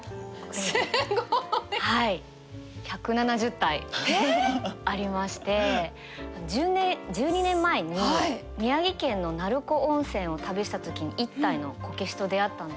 すごい！１７０体ありまして１２年前に宮城県の鳴子温泉を旅した時に１体のこけしと出会ったんですけど。